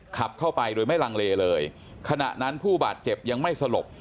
ขับเข้าไปโดยไม่ลังเลเลยขณะนั้นผู้บาดเจ็บยังไม่สลบ